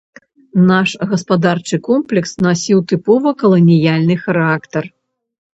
Наш гаспадарчы комплекс насіў тыпова каланіяльны характар.